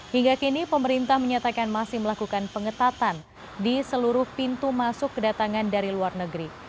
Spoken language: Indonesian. hingga kini pemerintah menyatakan masih melakukan pengetatan di seluruh pintu masuk kedatangan dari luar negeri